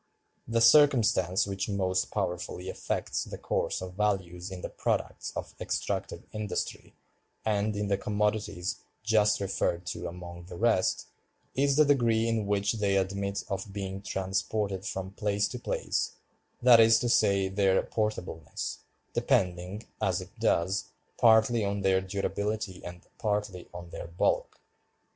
The circumstance which most powerfully affects the course of values in the products of extractive industry, and in the commodities just referred to among the rest, is the degree in which they admit of being transported from place to place—that is to say, their portableness—depending, as it does, partly on their durability and partly on their bulk."